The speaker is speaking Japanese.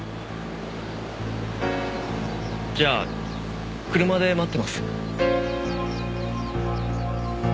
じゃあ車で待ってます。